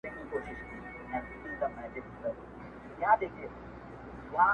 • د مېله والو مستو زلمیو -